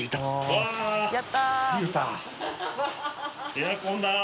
エアコンだ！